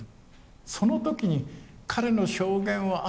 その時に彼の証言はあ